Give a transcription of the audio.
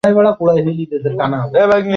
যাও জলদি সেরে এসো।